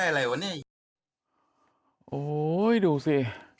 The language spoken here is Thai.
โหดูสิ